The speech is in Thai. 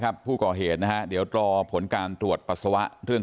ครูจะฆ่าแม่ไม่รักตัวเอง